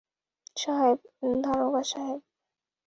সাহেব, দারোগা সাহেব।